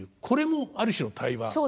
これもある種の対話。